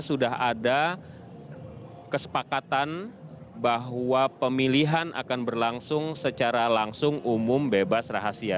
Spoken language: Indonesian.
sudah ada kesepakatan bahwa pemilihan akan berlangsung secara langsung umum bebas rahasia